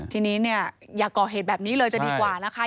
ทีนี้เนี่ยอย่าก่อเหตุแบบนี้เลยจะดีกว่านะคะ